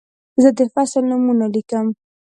زه د فصل نومونه لیکم.